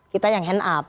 kita yang hand up